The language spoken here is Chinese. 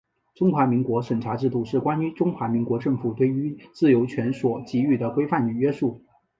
中华民国审查制度是关于中华民国政府对于自由权所给予的规范及约束。